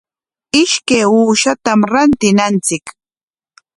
Ishkay uushatam rantinanchik.